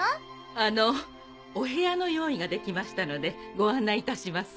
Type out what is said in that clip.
あのお部屋の用意ができましたのでご案内いたします。